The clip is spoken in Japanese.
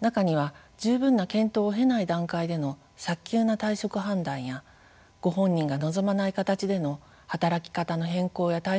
中には十分な検討を経ない段階での早急な退職判断やご本人が望まない形での働き方の変更や退職につながるケースもあります。